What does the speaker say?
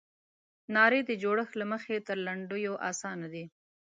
نارې د جوړښت له مخې تر لنډیو اسانه دي.